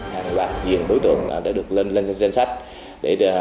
hàng loạt diện đối tượng đã được lên danh sách để điều tra chuyên sâu